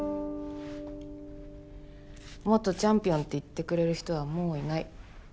元チャンピオンって言ってくれる人はもういない。